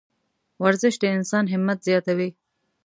ورزش د انسان همت زیاتوي.